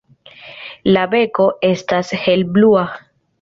La beko estas helblua.